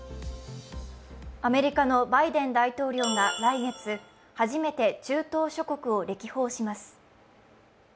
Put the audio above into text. アメリカのバイデン大統領が来月、初めて中東諸国を歴訪します。